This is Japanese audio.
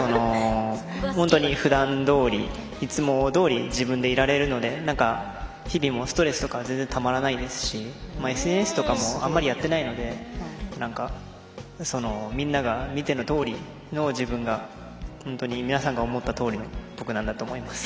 本当に普段どおりいつもどおり自分でいられるので日々、ストレスとか全然たまらないですしＳＮＳとかもあんまりやっていないのでみんなが見てのとおりの自分が本当に皆さんが思ったとおりの僕なんだと思います。